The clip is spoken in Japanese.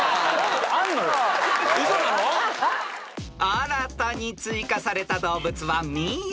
［新たに追加された動物は］